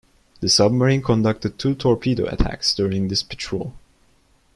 The submarine conducted two torpedo attacks during this patrol.